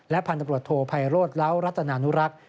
และพันธบรวจโทษภัยโลธล้าวรัฐนานุรักษ์